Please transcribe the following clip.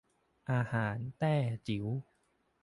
อาหารแต้จิ๋ว